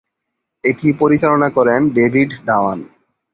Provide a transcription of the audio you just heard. এটি পরিচালনা করেন ডেভিড ধাওয়ান।